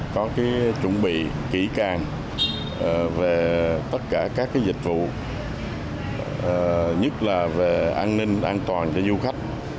có chuẩn bị kỹ càng về tất cả các dịch vụ nhất là về an ninh an toàn cho du khách